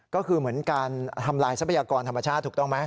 ก็คือเหมือนการทำลายทรัพยากรธรรมชาติถูกต้องไหม